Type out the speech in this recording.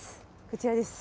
こちらです。